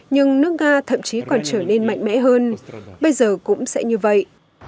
nhưng nước nga thậm chí còn trở nên mạnh mẽ hơn bây giờ cũng sẽ như vậy